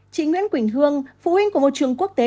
chị nguyễn quỳnh hương phụ huynh của một trường quốc tế